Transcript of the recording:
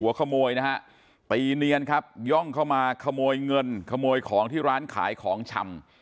ขโมยนะฮะตีเนียนครับย่องเข้ามาขโมยเงินขโมยของที่ร้านขายของชำ